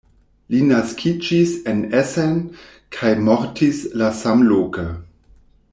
Li naskiĝis en Essen kaj mortis la samloke.